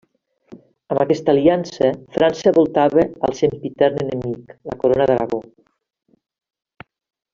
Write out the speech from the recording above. Amb aquesta aliança, França voltava al sempitern enemic, la Corona d'Aragó.